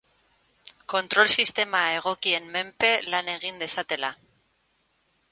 Kontrol sistema egokien menpe lan egin dezatela.